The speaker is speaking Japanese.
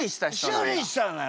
修理したのよ。